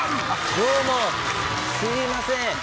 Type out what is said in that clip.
どうもすみません。